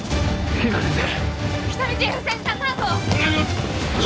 比奈先生